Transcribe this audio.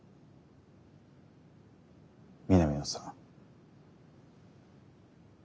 南野さん。